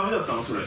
それ。